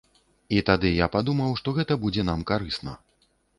І тады я падумаў, што гэта будзе нам карысна.